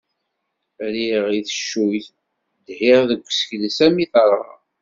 Rriɣ i teccuyt, dhiɣ deg usekles armi terɣa.